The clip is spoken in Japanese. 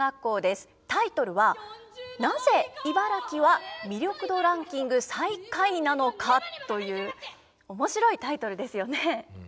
タイトルは「なぜ茨城は魅力度ランキング最下位なのか？」という面白いタイトルですよね。